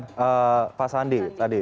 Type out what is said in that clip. terima kasih pak sandi tadi